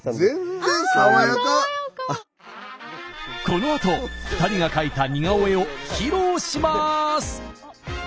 このあと２人が描いた似顔絵を披露しまーす！